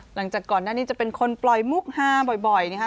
หลังจากก่อนหน้านี้จะเป็นคนปล่อยมุกฮาบ่อยนะคะ